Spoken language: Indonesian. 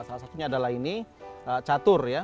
salah satunya adalah ini catur ya